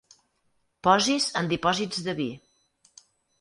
Posis en dipòsits de vi.